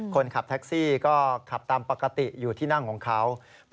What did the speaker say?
คนขับแท็กซี่ก็ขับตามปกติอยู่ที่นั่งของเขา